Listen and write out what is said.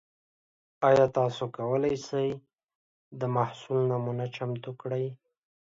ایا تاسو کولی شئ د محصول نمونه چمتو کړئ؟